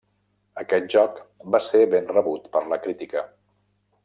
Aquest joc va ser ben rebut per la crítica.